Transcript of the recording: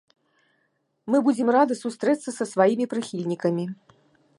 Мы будзем рады сустрэцца са сваімі прыхільнікамі!